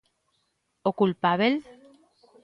O culpábel?